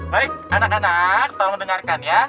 baik anak anak tolong dengarkan ya